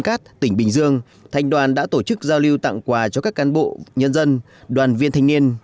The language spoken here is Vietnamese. thị xã bến cát tỉnh bình dương thành đoàn đã tổ chức giao lưu tặng quà cho các cán bộ nhân dân đoàn viên thanh niên